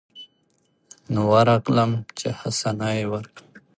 نو ورغلم چې حسنه يې وركړم.